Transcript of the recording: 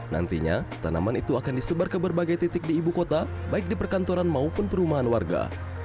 nantinya tanaman itu akan disebar ke berbagai titik di ibu kota baik di perkantoran maupun perumahan warga